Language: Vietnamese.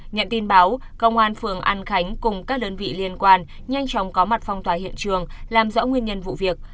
nhận tin báo công an phường an khánh cùng các đơn vị liên quan nhanh chóng có mặt phong tỏa hiện trường làm rõ nguyên nhân vụ việc